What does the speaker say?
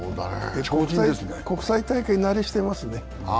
国際大会慣れしてますね。